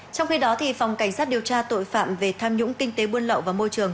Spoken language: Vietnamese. trong khi đó phòng cảnh sát điều tra tội phạm về tham nhũng kinh tế buôn lậu và môi trường